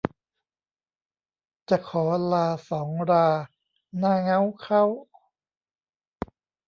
จะขอลาสองราหน้าเง้าเค้า